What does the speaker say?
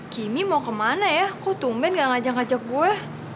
kimmy mau kemana ya aku tumben gak ngajak ngajak gue